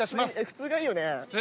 普通がいいよね。